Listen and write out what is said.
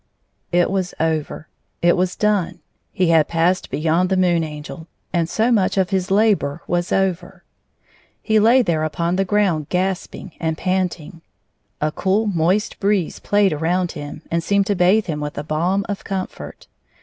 « It was over. It was done. He had passed beyond the Moon Angel, and so much of his labor was over. He lay there upon the ground gasping and panting. A cool, moist breeze played around him, and seemed to bathe him with a balm of com fort.